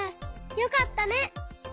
よかったね。